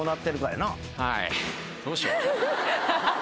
どうしようかな。